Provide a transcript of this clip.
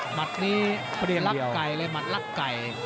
หมัดนี้ประเด็นลักไก่เลยหมัดลักไก่